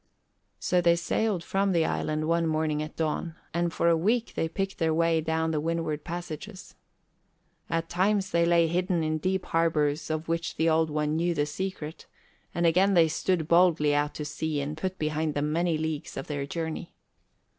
So they sailed from the island one morning at dawn and for a week they picked their way down the windward passages. At times they lay hidden in deep harbours of which the Old One knew the secret; and again they stood boldly out to sea and put behind them many leagues of their journey.